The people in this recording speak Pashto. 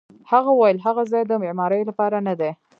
هغه وویل: هغه ځای د معمارۍ لپاره نه دی.